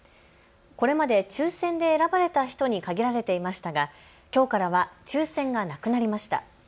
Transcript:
これまで抽せんで選ばれた人に限られていましたが、きょうからは抽せんがなくなりました。